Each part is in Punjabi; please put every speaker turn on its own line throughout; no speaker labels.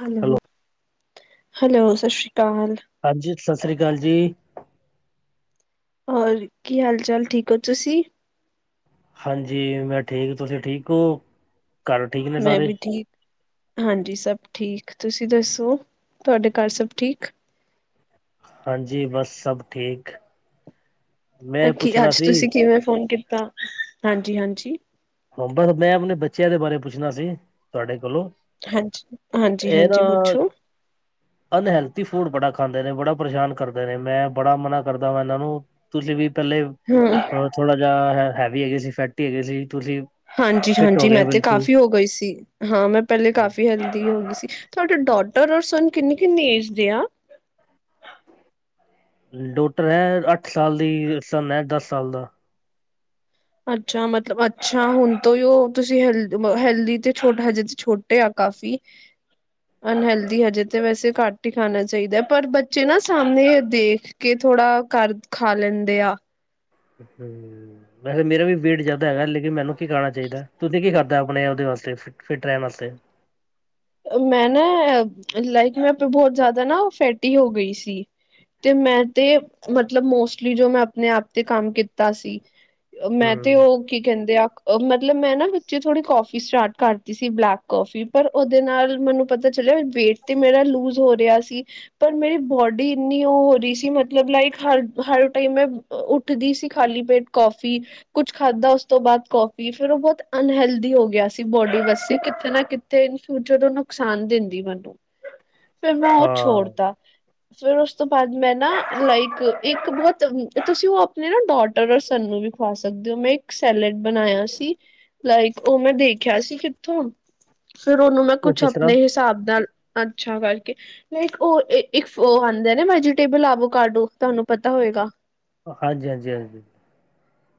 ਹੈਲੋ, ਹੈਲੋ ਸਤਿ ਸ਼੍ਰੀ ਅਕਾਲ
ਹਾਂਜੀ, ਸਤਿ ਸ਼੍ਰੀ ਅਕਾਲ ਜੀ
ਹੋਰ, ਕੀ ਹਾਲ ਚਾਲ ਠੀਕ ਹੋ ਤੁਸੀਂ
ਹਾਂਜੀ, ਮੈਂ ਠੀਕ ਤੁਸੀਂ ਠੀਕ ਹੋ। ਘਰ ਠੀਕ ਨੇ
ਮੈਂ
ਸਾਰੇ?
ਵੀ ਠੀਕ। ਹਾਂਜੀ, ਸਭ ਠੀਕ, ਤੁਸੀਂ ਦੱਸੋ ਤੁਹਾਡੇ ਘਰ ਸਭ ਠੀਕ।
ਹਾਂਜੀ, ਬੱਸ ਸਭ ਠੀਕ। ਮੈਂ
ਕੀ
ਪੁੱਛਣਾ
ਅੱਜ
ਸੀ,
ਤੁਸੀਂ ਕਿਵੇਂ ਫ਼ੋਨ ਕੀਤਾ। ਹਾਂਜੀ, ਹਾਂਜੀ
ਬਰ ਮੈਂ ਆਪਣੇ ਬੱਚਿਆਂ ਦੇ ਬਾਰੇ ਪੁੱਛਣਾ ਸੀ, ਤੁਹਾਡੇ ਕੋਲੋਂ।
ਹਾਂਜੀ, ਹਾਂਜੀ,
ਇਹ ਨਾ
ਹਾਂਜੀ ਪੁੱਛੋ।
ਅਨਹੈਲਥੀ ਫੂਡ ਬੜਾ ਖਾਂਦੇ ਨੇ, ਬੜਾ ਪਰੇਸ਼ਾਨ ਕਰਦੇ ਨੇ, ਮੈਂ ਬੜਾ ਮਨਾ ਕਰਦਾ ਵਾਂ ਏਨਾਂ ਨੂੰ। ਤੁਸੀ ਵੀ ਪੈਲੇ
ਹਂ।
ਥੋੜਾ ਜਿਆ ਹੈਵੀ ਹੈਗੀ ਸੀ, ਫੈਟੀ ਹੈਗੇ ਸੀ। ਤੁਸੀਂ
ਹਾਂਜੀ
ਫਿਟ ਹੋ
ਹਾਂਜੀ।
ਗਏ
ਮੈਂ ਤੇ
ਬਿਲਕੁਲ।
ਕਾਫ਼ੀ ਹੋ ਗਈ ਸੀ। ਹਾਂ, ਮੈਂ ਪੈਲੇ ਕਾਫ਼ੀ ਹੈਲਦੀ ਹੁੰਦੀ ਸੀ, ਤੁਆਡੇ ਡੋਟਰ ਔਰ ਸਨ ਕਿੰਨੀ-ਕਿੰਨੀ ਏਜ ਦੇ ਆ?
ਡੋਟਰ ਹੈ ਅੱਠ ਸਾਲ ਦੀ, ਸਨ ਹੈ ਦਸ ਸਾਲ ਦਾ।
ਅੱਛਾ। ਮਤਲਬ ਅੱਛਾ, ਹੁਣ ਤੋਂ ਈ ਓ ਤੁਸੀਂ ਹੈਲਦੀ ਬ ਹੈਲਦੀ ਤੇ ਛੋ ਹਜੇ ਤੇ ਛੋਟੇ ਆ ਕਾਫ਼ੀ। ਅਨਹੈਲਦੀ ਹਜੇ ਤਾਂ ਵੈਸੇ ਘੱਟ ਈ ਖਾਣਾ ਚਾਈਦਾ ਪਰ ਬੱਚੇ ਨਾ ਸਾਮਣੇ ਦੇਖ ਕੇ ਥੋੜਾ ਕਰ ਖਾ ਲੈਂਦੇ ਆ।
ਹਂ। ਵੈਸੇ ਮੇਰਾ ਵੀ ਵੇਟ ਜ਼ਿਆਦਾ ਹੈਗਾ ਲੇਕਿਨ ਮੈਨੂੰ ਕੀ ਕਰਾਣਾ ਚਾਈਦਾ, ਤੁਸੀਂ ਕੀ ਕਰਦਾ ਆਪਣੇ ਓਦੇ ਵਾਸਤੇ ਫਿਟ ਰੈਣ ਆਸਤੇ।
ਮੈਂ ਨਾਂ, ਲਾਈਕ ਮੈਂ ਬੋਹਤ ਜ਼ਿਆਦਾ ਨਾਂ ਫੈਟੀ ਹੋ ਗਈ ਸੀ। ਤੇ ਮੈਂ ਤੇ ਮਤਲਬ ਮੋਸਟਲੀ ਜੋ ਮੈਂ ਆਪਣੇ-ਆਪ ਤੇ ਕੰਮ ਕੀਤਾ ਸੀ। ਮੈਂ
ਹੂੰ
ਤੇ ਓ ਕੀ ਕੈਂਦੇ ਆ, ਮਤਲਬ ਮੈਂ ਨਾਂ ਵਿੱਚੇ ਥੋੜੀ ਕੋਫੀ ਸਟਾਰਟ ਕਰ ਸੀ ਬਲੈਕ ਕੌਫੀ, ਪਰ ਓਦੇ ਨਾਲ ਮੈਨੂੰ ਪਤਾ ਚੱਲਿਆ ਵੇਟ ਤੇ ਮੇਰਾ ਲੂਜ ਹੋ ਰਿਆ ਸੀ ਪਰ ਮੇਰੀ ਬੋਡੀ ਇੰਨੀ ਓ ਹੋ ਰੀ ਸੀ, ਮਤਲਬ ਲਾਈਕ ਹਰ ਹਰ ਟਾਈਮ ਮੈਂ ਉੱਠਦੀ ਸੀ ਖਾਲੀ ਪੇਟ ਕੌਫੀ ਕੁਛ ਖਾਧਾ ਉਸ ਤੋਂ ਬਾਅਦ ਕੌਫੀ। ਫੇਰ ਓ ਬੋਤ ਅਨਹੈਲਦੀ ਹੋ ਗਿਆ ਸੀ। ਬੋਡੀ ਵਸ ਕਿੱਥੇ ਨਾ ਕਿਥ ਤੇ ਇਨ ਫਿਊਚਰ ਓ ਨੁਕਸਾਨ ਦਿੰਦੀ ਮੈਨੂੰ, ਫੇਰ ਮੈਂ ਓ
ਹਾਂ
ਛੋੜਤਾ। ਫੇਰ ਉਸ ਤੋਂ ਬਾਅਦ ਮੈਂ ਨਾ ਲਾਈਕ ਇੱਕ ਬੋਤ, ਤੁਸੀਂ ਓ ਆਪਣੇ ਨਾਂ ਡੋਟਰ ਔਰ ਸੰਨ ਨੂੰ ਵੀ ਖਾ ਸਕਦੇ ਓ, ਮੈਂ ਇੱਕ ਸੈੱਲਡ ਬਣਾਇਆ ਸੀ, ਲਾਈਕ ਓ ਮੈਂ ਦੇਖਿਆ ਸੀ ਕਿੱਥੋਂ ਫਿਰ ਓਨੂੰ ਮੈਂ
ਉਹ
ਕੁਛ
ਕਿਸ ਤਰ੍ਹਾਂ
ਆਪਣੇ ਹਿਸਾਬ ਨਾਲ ਅੱਛਾ ਕਰਕੇ ਓ ਇੱਕ ਓ ਇ ਇੱਕ ਓ ਆਂਦੇ ਆ ਨਾਂ, ਵੈਜੀਟੇਬਲ ਆਵੋ ਕਾਡੋ ਤਾਨੂੰ ਪਤਾ ਹੋਏਗਾ।
ਹਾਂਜੀ, ਹਾਂਜੀ, ਹਾਂਜੀ।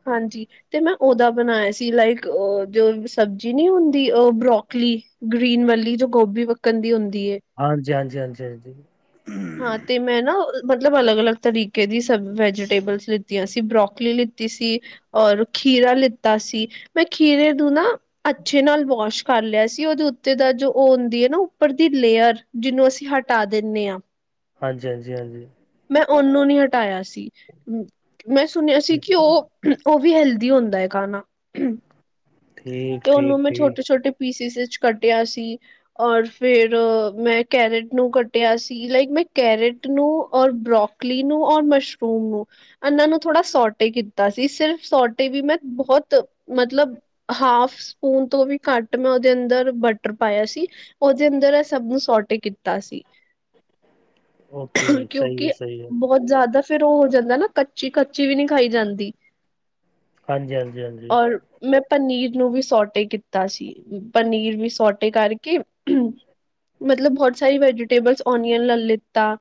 ਹਾਂਜੀ ਤੇ ਮੈਂ ਓਦਾ ਬਣਾਇਆ ਸੀ, ਲਾਈਕ ਉਹ ਜੋ ਸਬਜ਼ੀ ਨੀਂ ਹੁੰਦੀ ਓ ਬਰੋਕ ਗ੍ਰੀਨ ਵਲੀ ਜੋ ਗੋਭੀ ਵੱਕਣ ਦੀ ਹੁੰਦੀ ਐ।
ਹਾਂਜੀ, ਹਾਂਜੀ, ਹਾਂਜੀ, ਹਾਂਜੀ।
ਹਾਂ ਤੇ ਮੈਂ ਨਾ, ਮਤਲਬ ਅਲੱਗ-ਅਲੱਗ ਤਰੀਕੇ ਦੀ ਸਬ ਵੈਜੀਟੇਬਲਸ ਲਿੱਤੀਆਂ ਸੀ, ਬਰੋਕਲੀ ਲਿੱਤੀ ਸੀ। ਔਰ ਖੀਰਾ ਲਿੱਤਾ ਸੀ, ਮੈਂ ਖੀਰੇ ਨੂੰ ਨਾਂ ਅੱਛੇ ਨਾਲ ਵਾਸ਼ ਕਰ ਲਿਆ ਸੀ। ਓਦੇ ਉੱਤੇ ਦਾ ਜੋ ਓ ਹੁੰਦੀ ਐ ਨਾਂ ਉੱਪਰ ਦੀ ਲੇਅਰ, ਜਿਨੂੰ ਅਸੀਂ ਹਟਾ ਦੇਣੇ ਆਂ।
ਹਾਂਜੀ, ਹਾਂਜੀ, ਹਾਂਜੀ।
ਮੈਂ ਓਨੂੰ ਨੀਂ ਹਟਾਇਆ ਸੀ, ਮੈਂ ਸੁਣਿਆ ਸੀ
ਹਾਂਜੀ
ਕਿ ਓ ਓ ਵੀ ਹੈਲਦੀ ਹੁੰਦਾ ਐ ਖਾਣਾ,
ਠੀਕ
ਤੇ
ਠੀਕ
ਓਨੂੰ ਮੈਂ
ਠੀਕ
ਛੋਟੇ-ਛੋਟੇ ਪੀਸਿਸ ਚ ਕੱਟਿਆ ਸੀ। ਔਰ ਫੇਰ ਮੈਂ ਕੈਰੇਟ ਨੂੰ ਕੱਟਿਆ ਸੀ, ਲਾਈਕ ਮੈਂ ਕੈਰਟ ਨੂੰ ਔਰ ਬਰੋਕਲੀ ਨੂੰ ਔਰ ਮਸ਼ਰੂਮ ਨੂੰ ਇਨ੍ਹਾਂ ਨੂੰ ਥੋੜ੍ਹਾ ਸੋਟੇ ਕੀਤਾ ਸੀ ਸਿਰਫ ਸੋਟੇ ਵੀ ਮੈਂ ਬਹੁਤ ਮਤਲਬ ਹਾਫ ਸਪੂਨ ਤੋਂ ਵੀ ਘੱਟ ਮੈਂ ਓਦੇ ਅੰਦਰ ਬਟਰ ਪਾਇਆ ਸੀ। ਓਦੇ ਅੰਦਰ ਏ ਸਭ ਨੂੰ ਸੋਟੇ ਕੀਤਾ ਸੀ।
ਓਕੇ ਸਈ ਐ, ਸਈ ਐ।
ਬੋਤ ਜ਼ਿਆਦਾ ਫੇਰ ਉਹ ਹੋ ਜਾਂਦਾ ਨਾਂ, ਕੱਚੀ, ਕੱਚੀ ਵੀ ਨੀਂ ਖਾਈ ਜਾਂਦੀ।
ਹਾਂਜੀ, ਹਾਂਜੀ, ਹਾਂਜੀ।
ਔਰ ਮੈਂ ਪਨੀਰ ਨੂੰ ਵੀ ਸੋਟੇ ਕੀਤਾ ਸੀ ਪਨੀਰ ਵੀ ਸੋਟੇ ਕਰਕੇ ਮਤਲਬ ਬਹੁਤ ਸਾਰੀ ਵੈਜੀਟੇਬਲਸ ਓਨੀਅਨ ਲ ਲਿੱਤਾ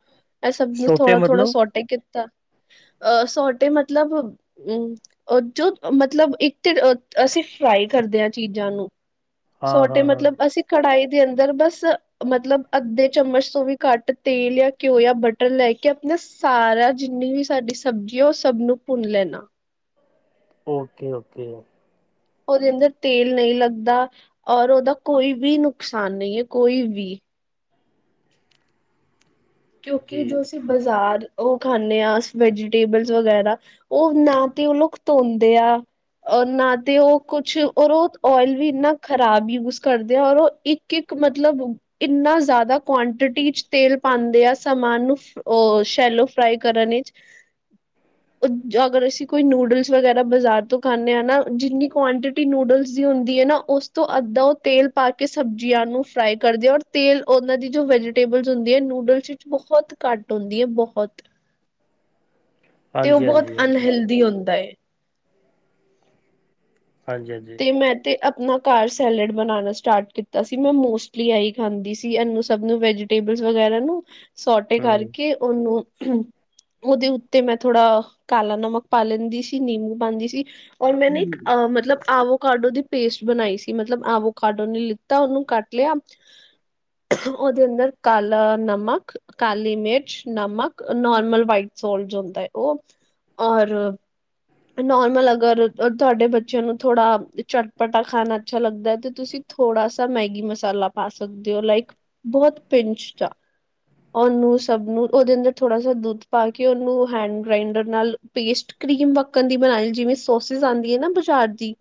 ਇਹ ਸਭ ਨੂੰ
ਛੋਟੇ
ਥੋੜਾ ਥੋੜ੍ਹਾ
ਮਤਲਬ
ਸੋਟੇ ਕੀਤਾ ਅਹ ਸੋਟੇ ਮਤਲਬ ਹੂੰ ਜੋ ਮਤਲਬ ਇੱਕ ਤੇ ਅਸੀਂ ਫਰਾਈ ਕਰਦੇ ਹਾਂ ਚੀਜ਼ਾਂ ਨੂੰ
ਹਾਂ
ਸੋਟੇ
ਹਾਂ ਹਾਂ
ਮਤਲਬ ਅਸੀਂ ਕੜਾਹੀ ਦੇ ਅੰਦਰ ਬਸ ਮਤਲਬ ਅੱਧੇ ਚਮਚ ਤੋਂ ਵੀ ਘੱਟ ਤੇਲ ਜਾਂ ਘਿਓ ਜਾਂ ਬ ਮਟਰ ਲੈ ਕੇ ਆਪਣਾ ਸਾਰਾ ਜਿੰਨੀ ਵੀ ਸਾਡੀ ਸਬਜ਼ੀ ਆ ਉਹ ਸਭ ਨੂੰ ਭੁੰਨ ਲੈਣਾ।
Okay okay.
ਉਹਦੇ ਅੰਦਰ ਤੇਲ ਨਹੀਂ ਲੱਗਦਾ ਔਰ ਉਹਦਾ ਕੋਈ ਵੀ ਨੁਕਸਾਨ ਨਹੀਂ ਹੈ ਕੋਈ ਵੀ।
ਜੀ
ਕਿਉਂਕਿ ਜੋ ਅਸੀਂ ਬਜ਼ਾਰ ਉਹ ਖਾਂਦੇ ਹਾਂ ਵੈਜੀਟੇਬਲਸ ਵਗੈਰਾ। ਉਹ ਨਾ ਤੇ ਉਹ ਲੋਕ ਧੋਂਦੇ ਆ। ਔਰ ਨਾ ਤੇ ਉਹ ਕੁਛ ਔਰ ਉਹ ਓਇਲ ਵੀ ਇੰਨਾ ਖ਼ਰਾਬ ਯੂਜ ਕਰਦੇ ਆ ਔਰ ਉਹ ਇੱਕ ਕਿ ਮਤਲਬ ਇੰਨਾ ਜ਼ਿਆਦਾ ਕੁਆਂਟਿਟੀ ਚ ਤੇਲ ਪਾਂਦੇ। ਆ ਸਮਾਨ ਨੂੰ ਉਹ ਸ਼ੈਲੋ ਫਰਾਈ ਕਰਨ ਵਿੱਚ।
[unintelligible]
ਅਗਰ ਅਸੀਂ ਕੋਈ ਨੂਡਲਸ ਵਗੈਰਾ ਬਾਜ਼ਾਰ ਤੋਂ ਖਾਂਦੇ ਹਾਂ ਨਾ ਜਿੰਨੀ ਕੁਆਂਟਿਟੀ ਨੂਡਲਸ ਦੀ ਹੁੰਦੀ ਏ ਨਾ। ਉਸ ਤੋਂ ਅੱਧਾ ਉਹ ਤੇਲ ਪਾ ਕੇ ਸਬਜ਼ੀਆਂ ਨੂੰ ਫਰਾਈ ਕਰਦੇ ਆ ਔਰ ਤੇਲ ਉਹਨਾਂ ਦੀ ਜੋ ਵੈਜ [unintelligible] ਨੂਡਲਸ ਵਿਚ ਬਹੁਤ ਘੱਟ ਹੁੰਦੀ ਆ ਬਹੁਤ। ਤੇ ਉਹ
ਹਾਂਜੀ
ਬਹੁਤ
ਹਾਂਜੀ ਹਾਂਜੀ
ਅਨਹਲਦੀ ਹੁੰਦਾ ਏ।
ਹਾਂਜੀ ਹਾਂਜੀ।
ਤੇ ਮੈਂ ਤੇ ਆਪਣਾ ਘਰ ਸੈਲਡ ਬਣਾਉਣਾ ਸਟਾਰਟ ਕੀਤਾ ਸੀ ਮੈਂ ਮੋਸਟਲੀ ਆਹੀ ਖਾਂਦੀ ਸੀ ਇਹਨੂੰ ਸਭ ਨੂੰ ਵੈਜ ਟੇਬਲ ਵਗੈਰਾ ਨੂੰ ਸੋਟੇ
ਹੂੰ
ਕਰਕੇ ਉਹਨੂੰ। ਉਹਦੇ ਉੱਤੇ ਮੈਂ ਥੋੜਾ ਕਾਲਾ ਨਮਕ ਪਾ ਲੈਂਦੀ ਸੀ ਨਿੰਬੂ ਪਾਉਂਦੀ ਸੀ। ਔਰ ਮੈਂਨੇ
ਹਾਂਜੀ
ਇੱਕ ਅ ਮਤਲਬ ਆਵੋ ਕਾਡੋ ਦੀ ਪੇਸਟ ਬਣਾਈ ਸੀ ਮਤਲਬ ਆਵੋ ਕਾਡੋ ਨੇ ਲਿੱਤਾ ਉਹਨੂੰ ਕੱਟ ਲਿਆ।
[unintelligible]
ਉਹਦੇ ਅੰਦਰ ਕਾਲਾ ਨਮਕ ਕਾਲੀ ਮਿਰਚ ਨਮਕ ਨਾਰਮਲ ਵਾਈਟ ਸੋਲਸ ਹੁੰਦਾ। ਉਹ ਔਰ ਨੋਰਮਲ ਅਗਰ ਤੁਹਾਡੇ ਬੱਚਿਆਂ ਨੂੰ ਥੋੜ੍ਹਾ ਚਟਪਟਾ ਖਾਣਾ ਅੱਛਾ ਲੱਗਦਾ ਤਾਂ ਤੁਸੀਂ ਥੋੜਾ ਸਾ ਮੈਗੀ ਮਸਾਲਾ ਪਾ ਸਕਦੇ ਹੋ ਲਾਈਕ ਬਹੁਤ ਪਿੰਚ ਆ। ਉਹਨੂੰ ਸਭ ਨੂੰ ਉਹਦੇ ਅੰਦਰ ਥੋੜਾ ਸ ਦੁੱਧ ਪਾ ਕੇ ਉਹਨੂੰ ਹੈਂਡ ਗ੍ਰੈਂਡਰ ਨਾਲ ਪੇਸਟ ਕਰੀਮ ਵਕ ਬਣਾ ਜਿਵੇਂ ਸੋਸ ਆਂਦੀ ਨਾ ਬਜ਼ਾਰ ਦੀ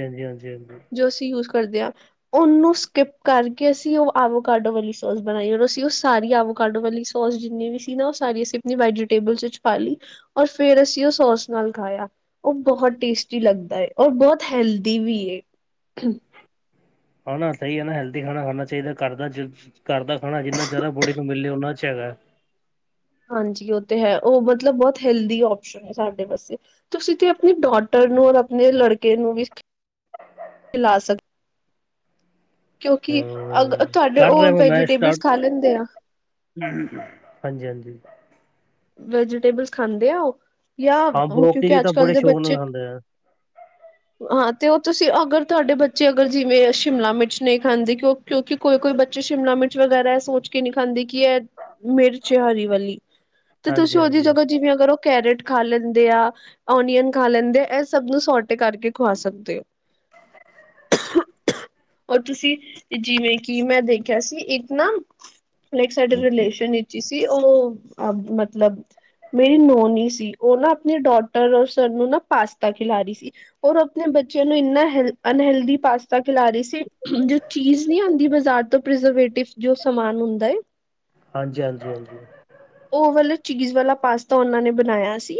ਹਾਂਜੀ ਹਾਂਜੀ ਹਾਂਜੀ
ਜੋ ਅਸੀਂ ਯ ਕਰਦੇਿਆਂ ਉਹਨੂੰ ਸਕਿਪ ਕਰਕੇ ਅਸੀਂ ਉਹ ਆਵ ਕਾਡੋ ਵਾਲੀ ਸੋਸ ਬਣਾਈ ਔ ਅਸੀਂ ਉਹ ਸਾਰੀ ਆਵੋ ਕਾਡੋ ਵਾਲੀ ਸੋਸ ਜਿੰਨੀ ਵੀ ਸੀ ਨਾ ਉਹ ਸਾਰੀ ਅਸੀਂ ਆਪਣੀ ਵੈਜੀਟੇਬਲ ਵਿੱਚ। ਪਾ ਲਈ ਔਰ ਫੇਰ ਅਸੀਂ ਉਹ ਸੌਸ ਨਾਲ ਖਾਇਆ ਉਹ ਬਹੁਤ ਟੇਸਟੀ ਲੱਗਦਾ ਐ ਔਰ ਬਹੁਤ ਹੈਲਦੀ ਵੀ ਐ।
ਹਨ ਨਾ ਸਹੀ ਐ ਨਾ ਹੈਲਦੀ ਖਾਣਾ ਖਾਣਾ ਚਾਹੀਦਾ ਘਰ ਦਾ। ਘਰ ਦਾ ਖਾਣਾ ਜਿੰਨਾ ਜ਼ਿਆਦਾ ਬੋਡੀ ਨੂੰ ਮਿਲੇ ਓਨਾ ਅੱਛਾ ਹੈਗਾ ਏ।
ਹਾਂਜੀ ਉਹ ਤੇ ਹੈ ਉਹ ਮਤਲਬ ਬਹੁਤ ਹੈਲਦੀ ਆਪਸ਼ਨ। ਸਾਡੇ ਪਾਸੇ ਤੁਸੀਂ ਤੇ ਆਪਣੇ ਡਾਟਰ ਨੂੰ ਔਰ ਆਪਣੇ ਲੜਕੇ ਨੂੰ ਵੀ ਲਾ ਸਕਦੇ। ਕਿਉਂਕਿ ਅਗ
ਹਮ
ਤੁਹਾਡੇ
ਕਰ
ਉਹ
ਰਿਹਾ ਵਾ ਮੈਂ ਸਟਾਰਟ
ਵੈਜੀਟੇਬਲਸ ਖਾ ਲੈਂਦੇ ਆ।
[unintelligible] ਹਾਂਜੀ ਹਾਂਜੀ।
ਵੈਜੀਟੇਬਲਸ ਖਾਂਦੇ ਆ ਉਹ ਜਾਂ
ਹਾਂ
ਕਿਉਂਕਿ
ਬਰੋਕਲੀ
ਅੱਜ
ਤਾਂ
ਕੱਲ
ਬੜੇ
ਦੇ
ਸ਼ੌਕ ਨਾਲ
ਬੱਚੇ
ਖਾਂਦੇ ਆ [inaudible]
ਹਾਂ ਤੇ ਓ ਤੁਸੀਂ ਅਗਰ ਤੁਆਡੇ ਬੱਚੇ ਅਗਰ ਜਿਵੇਂ ਸ਼ਿਮਲਾ ਮਿਰਚ ਨੀ ਖਾਂਦੇ ਕਿਓਂ ਕਿਓਂਕਿ ਕੋਈ-ਕੋਈ ਬੱਚੇ ਸ਼ਿਮਲਾ ਮਿਰਚ ਵਗੈਰਾ ਏ ਸੋਚ ਕੇ ਨੀ ਖਾਂਦੇ ਕੇ ਐ ਮਿਰਚ ਹਰੀ ਵਾਲੀ ਤੇ ਤੁਸੀਂ
ਹਾਂਜੀ
ਓਦੀ
ਹਾਂਜੀ
ਜਗਾ ਜਿਵੇਂ ਅਗਰ ਓ ਕੈਰਟ ਖਾ ਲੈਂਦੇ ਆ। ਓਨੀਅਨ ਖਾ ਲੈਂਦੇ ਆ ਏ ਸਬ ਨੂੰ ਸੋਰਟੇ ਕਰਕੇ ਖਵਾ ਸਕਦੇ ਓਂ। ਔਰ ਤੁਸੀਂ ਜਿਵੇਂ ਕੀ ਮੈਂ ਦੇਖੇਆ ਸੀ ਇੱਕ ਨਾ ਲਾਈਕ ਸਾਡੇ ਰਿਲੇਸ਼ਨ ਵਿਚ ਈ ਸੀ ਓ ਅਬ ਮਤ ਮਤਲਬ ਮੇਰੀ ਨੋਨ ਈ ਸੀ ਓ ਨਾ ਆਪਨੇ ਡੋਟਰ ਔਰ ਸਰ ਨੂੰ ਨਾ ਪਾਸਤਾ ਖਿਲਾ ਰੀ ਸੀ। ਔਰ ਆਪਨੇ ਬੱਚਿਆਂ ਨੂੰ ਏਨਾ ਹੈਲ ਅਨਹੈਲਦੀ ਪਾਸਤਾ ਖਿਲਾ ਰੀ ਸੀ। ਜੋ ਚੀਜ਼ ਨੀ ਆਂਦੀ ਬਜ਼ਾਰ ਤੋਂ ਪ੍ਰਜ਼ਰਵੇਟਿਵ ਜੋ ਸਮਾਨ ਹੁੰਦਾ ਏ
ਹਾਂਜੀ-ਹਾਂਜੀ-ਹਾਂਜੀ।
ਓ ਵਾਲੇ ਚੀਜ਼ ਵਾਲਾ ਪਾਸਤਾ ਓਨਾਂ ਨੇ ਬਨਾਏਆ ਸੀ,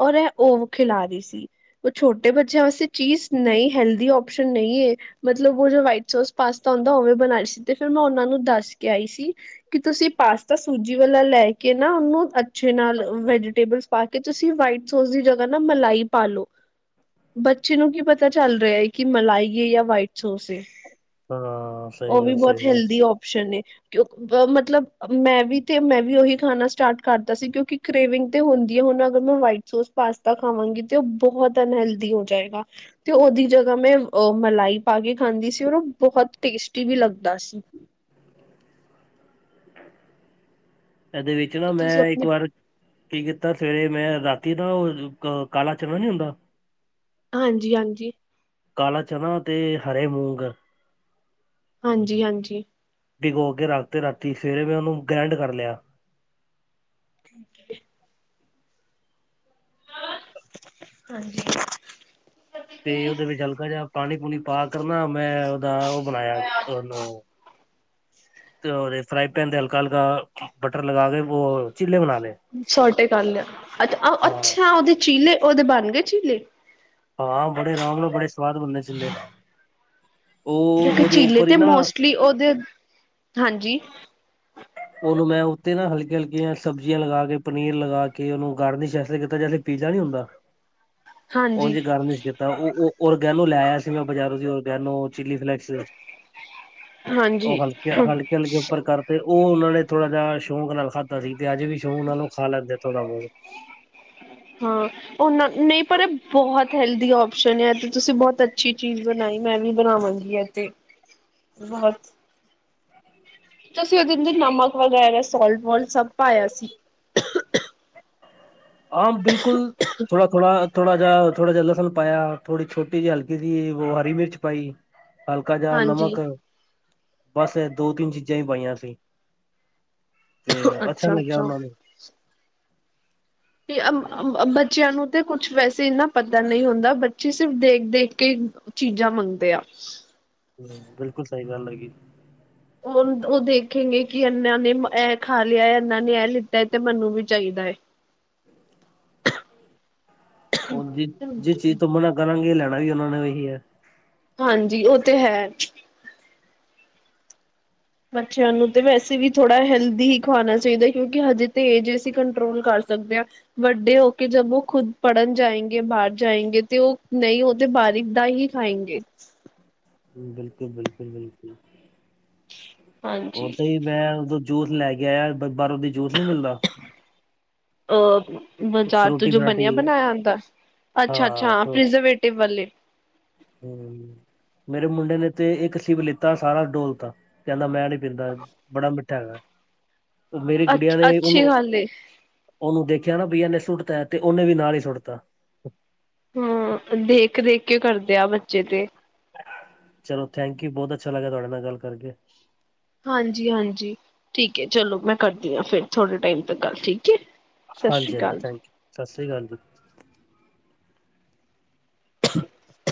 ਔਰ ਏ ਓ ਖਿਲਾ ਰੀ ਸੀ। ਓ ਛੋਟੇ ਬੱਚਿਆਂ ਵਾਸਤੇ ਚੀਜ਼ ਨਈਂ ਹੈਲਦੀ ਓਪਸ਼ਨ ਨਈਂ ਏ। ਮਤਲਬ ਓ ਜੋ ਵਾਈਟ ਸੋਸ ਪਾਸਤਾ ਹੁੰਦਾ ਓਵੇਂ ਬਨਾਈ ਸੀ ਤੇ ਫਿਰ ਮੈਂ ਓਨਾਂ ਨੂੰ ਦੱਸ ਕੇ ਆਈ ਸੀ। ਕੀ ਤੁਸੀਂ ਪਾਸਤਾ ਸੂਜੀ ਵਾਲਾ ਲੈ ਕੇ ਨਾ ਓਨੂੰ ਅੱ ਅੱਛੇ ਨਾਲ ਵੈਜੀਟੇਬਲ ਪਾ ਕੇ ਤੁਸੀਂ ਵਾਈਟ ਸੋਸ ਦੀ ਜਗਾ ਨਾ ਮਲਾਈ ਪਾਲੋ। ਬੱਚੇ ਨੂੰ ਕੀ ਪਤਾ ਚੱਲ ਰੇਆ ਕੀ ਮਲਾਈ ਐ ਯਾ ਵਾਈਟ ਸੋਸ।
ਹਾਂ ਸਈ ਗੱਲ-ਸਈ ਗੱਲ
ਸੰਨੇ ਕੇ-ਕੇ ਮਤਲਬ ਮੈਂ ਵੀ ਤੇ ਮੈਂ ਵੀ ਓਹੀ ਖਾਨਾ ਸਟਾਟ ਕਰ ਕੀਤਾ ਸੀ ਕਿਓਂਕਿ ਕਰੇਵਿੰਗ ਤੇ ਹੁੰਦੀ ਐ ਹੁਨ ਅਗਰ ਮੈਂ ਵਾਈਟ ਸੋਸ ਪਾਸਤਾ ਖਾਵਾਂਗੀ ਤੇ ਓ ਬਹੋਤ ਤਾ ਅਨਹੈਲਦੀ ਹੋ ਜਾਏਗਾ। ਤੇ ਓਦੀ ਜਗਾ ਮੈਂ ਅ ਮਲਾਈ ਪਾ ਕੇ ਖਾਂਦੀ ਸੀ ਔਰ ਓ ਬਹੋਤ ਟੇਸਟੀ ਵੀ ਲੱਗਦਾ। ਸੀ ਕੀ
ਐਦੇ ਵਿੱਚ ਨਾ
ਤੁਸੀਂ
ਮੈਂ ਇੱਕ
ਆਪਣੇ
ਵਾਰ ਕੀ ਕੀਤਾ ਸਵੇਰੇ ਮੈਂ ਰਾਤੀ ਨਾ ਓ ਕਾਲਾ ਚਨਾ ਨੀ ਹੁੰਦਾ
ਹਾਂਜੀ-ਹਾਂਜੀ।
ਕਾਲਾ ਚਨਾ ਤੇ ਹਰੇ ਮੂੰਗ
ਹਾਂਜੀ-ਹਾਂਜੀ।
ਭਿਗੋਂ ਕੇ ਰੱਖ ਤੇ ਰਾਤੀ ਸਵੇਰੇ ਮੈਂ ਓਨੂੰ ਗ੍ਰੈਂਡ ਕਰ ਲੇਆ।
[inaudible] ਹਾਂਜੀ।
ਤੇ ਓਦੇ ਵਿੱਚ ਹਲਕਾ ਜਾ ਪਾਨੀ ਪੂਨੀ ਪਾ ਕਰ ਨਾ ਮੈਂ ਦਾ ਓ ਬਨਾਏਆ ਤੇ ਓਨੂੰ ਤੇ ਓਦੇ ਫਰਾਈ ਪੈਨ ਤੇ ਹਲਕਾ-ਹਲਕਾ ਬਟਰ ਲਗਾ ਕੇ ਓ ਚਿੱਲੇ ਬਨਾ ਲਏ।
ਛੋਟੇ ਕਰ ਲੇਆ
ਹਾਂ
ਅੱਛਾ-ਅੱਛਾ ਓਦੇ ਚੀਲੇ ਓਦੇ ਬਨ ਗਏ ਚੀਲੇ।
ਹਾਂ ਬੜੇ ਆਰਾਮ ਨਾਲ ਬੜੇ ਸਵਾਦ ਬਨਦੇ ਚੀਲੇ, ਓ ਓਦੇ ਉੱਪਰ ਈ ਨਾ
ਵੀ ਓਦੇ, ਹਾਂਜੀ।
ਓਨੂੰ ਮੈਂ ਉੱਤੇ ਨਾ ਹਲਕੀ ਹਲਕੀਆਂ ਸਬਜ਼ੀਆਂ ਲਗਾ ਕੇ ਪਨੀਰ ਲਗਾ ਕੇ ਓਨੂੰ ਗਰਲਿਸ ਐਸਾ ਕੀਤਾ ਜੇਸੇ ਪੀਜ਼ਾ ਨੀ ਹੁੰਦਾ।
ਹਾਂਜੀ
ਓਨਲੀ ਗਾਰਲਿਸ ਕੀ ਤਾਂ ਓ ਓਰਗੈਨੋ ਲੈ ਆਏਆ ਸੀ ਮੈਂ ਬਾਜ਼ਾਰੋਂ ਓਰਗੈਨੋ ਚਿਲੀ ਫਲੈਕਸ ਓ
ਹਾਂਜੀ।
ਹਲਕੀਆਂ ਹਲਕੇ-ਹਲਕੇ ਉੱਪਰ ਕਰ ਓ ਓਨਾਂ ਨੇ ਥੋੜਾ ਜਾ ਸ਼ੌਕ ਨਾਲ ਖਾਦਾ ਸੀ ਤੇ ਅੱਜ ਵੀ ਸ਼ੌਕ ਨਾਲ ਖਾ ਲੈਂਦਾ ਥੋੜਾ ਬੋਤ।
ਹੂੰ। ਓਨਾਂ ਨਈਂ ਪਰ ਏ ਬੋਤ ਹੈਲਦੀ ਓਪਸ਼ਨ ਐ ਤੇ ਤੁਸੀਂ ਬੋਤ ਅੱਛੀ ਚੀਜ਼ ਬਨਾਈ ਮੈਂ ਵੀ ਬਨਾਵਾਂਗੀ ਅੱਜ। ਤੇ ਬਹੁਤ ਤੁਸੀਂ ਉਦੇ 'ਚ ਨਮਕ ਵਗੈਰਾ ਸੋਲਟ ਵੋਲਟ ਸਭ ਪਾਇਆ ਸੀ।
ਹਾਂ ਬਿਲਕੁਲ ਥੋੜਾ-ਥੋੜਾ-ਥੋੜਾ ਜਿਹਾ ਥੋੜਾ ਜਿਹਾ ਲਸਣ ਪਾਇਆ ਥੋੜੀ ਛੋਟੀ ਹਲਕੀ ਸੀ ਹਰੀ ਮਿਰਚ ਪਾਈ। ਹਲਕਾ ਜਿਹਾ
ਹਾਂਜੀ
ਨਮਕ ਬਸ ਐ ਦੋ ਤਿੰਨ ਚੀਜ਼ਾਂ ਈ ਪਾਈਆਂ ਸੀ। ਤੇ ਅੱਛਾ ਲੱਗਿਆ ਉਨਾਂ ਨੂੰ
ਬੱਚਿਆਂ ਨੂੰ ਤੇ ਕੁਛ ਵੈਸੇ ਇੰਨਾ ਪਤਾ ਨਈ ਹੁੰਦਾ ਬੱਚੇ ਸਿਰਫ ਦੇਖ-ਦੇਖ ਕੇ ਚੀਜ਼ਾਂ ਮੰਗਦੇ ਆ।
ਹੂੰ ਬਿਲਕੁਲ ਸਈ ਗੱਲ ਹੈਗੀ।
ਓ-ਓ ਦੇਖੇਂਗੇ ਕਿ ਇਨਾਂ ਨੇ ਐ ਖਾ ਲਿਆ ਇਨਾਂ ਨੇ ਐ ਲਿੱਤਾ ਐ ਤੇ ਮੈਨੂੰ ਵੀ ਚਾਈਦਾ ਐ।
[inaudible] ਹੁਣ ਜ ਜਿਸ ਚੀਜ਼ ਤੋਂ ਮਨਾ ਕਰਾਂਗੇ ਲੈਣਾ ਵੀ ਉਨਾਂ ਨੇ ਉਹੀ ਐ।
ਹਾਂਜੀ ਓ ਤੇ ਹੈ। ਬੱਚਿਆਂ ਨੂੰ ਤੇ ਵੈਸੇ ਵੀ ਥੋੜ੍ਹਾ ਹੈਲਦੀ ਹੀ ਖਵਾਣਾ ਚਾਈਦਾ ਕਿਉਂਕਿ ਹਜੇ ਤਾਂ ਏਜ ਅਸੀਂ ਕੰਟਰੋਲ ਕਰ ਸਕਦੇ ਆਂ। ਵੱਡੇ ਹੋ ਕੇ ਜਦ ਓ ਖੁਦ ਪੜ੍ਹਨ ਜਾਏਗੇ ਬਾਰ ਜਾਏਗੇ ਤੇ ਓ ਨਈ ਓ ਤੇ ਬਾਰ ਕ ਦਾ ਹੀ। ਖਾਂਏਗੇ
ਬਿਲਕੁਲ-ਬਿਲਕੁਲ-ਬਿਲਕੁਲ ਓ
ਹਾਂਜੀ।
ਤੇ ਈ। ਮੈਂ ਉਦੋਂ ਜੂਸ ਲੈ ਕੇ ਆ ਬਾਰੋ ਦੀ ਜੂਸ ਨਈ ਮਿਲਦਾ।
ਅ ਬਾਜ਼ਾਰ ਤੋਂ
ਫਰੂਟੀ
ਜੋ
ਫਰਾਟੀ
ਬਣਿਆ ਬਣਾਇਆ ਆਂਦਾ
ਹਾਂ
ਅੱਛਾ-ਅੱਛਾ
ਫ-
ਪ੍ਰਜਰਵੇਟਿਵ ਵਲੇ
ਹੂੰ ਮੇਰੇ ਮੁੰਡੇ ਨੇ ਤੇ ਇੱਕ ਸ਼ਿਵ ਲਿੱਤਾ ਸਾਰਾ ਡੋਲਤਾ ਕੈਂਦਾ ਮੈਂ ਨੀ ਪੀਂਦਾ। ਬੜਾ ਮਿੱਠਾ ਹੈਗਾ ਓ ਮੇਰੀ
ਅੱਛ
ਗੁੜੀਆਂ ਨੇ ਉਨੂੰ
ਅੱਛੀ ਗੱਲ ਏ।
ਉਨੂੰ ਦੇਖਿਆ ਨਾ ਬਈ ਇਨੇ ਸੁੱਟਤਾ ਤੇ ਉਨੇ ਵੀ ਨਾਲ ਈ ਸੁੱਟਤਾ।
ਹਾਂ ਦੇਖ-ਦੇਖ ਕੇ ਕਰਦੇ ਆ ਬੱਚੇ ਤੇ
ਚਲੋ ਥੈਂਕ ਯੂ ਬੋਤ ਅੱਛਾ ਲੱਗਿਆ ਤੁਹਾਡੇ ਨਾਲ ਗੱਲ ਕਰਕੇ
ਹਾਂਜੀ-ਹਾਂਜੀ ਠੀਕ ਹੈ ਚਲੋ ਮੈਂ ਕਰਦੀ ਹਾਂ ਫਿਰ ਥੋੜੇ ਟਾਈਮ ਤ ਗੱਲ ਠੀਕ ਏ
ਹਾਂਜੀ-ਹਾਂਜੀ ਥੈਂਕ ਸਤਿ ਸ਼੍ਰੀ ਅਕਾਲ ਜੀ।
[inaudible]